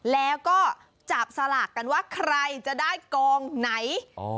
แล้วก็จับสลากกันว่าใครจะได้กองไหน